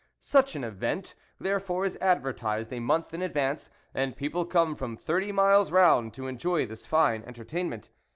Such an event therefore is advertised a month in ad vance, and people come from thirty miles round to enjoy this fine entertainment.